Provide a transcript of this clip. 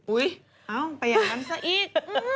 เอ้าไปอย่างนั้นซะอีก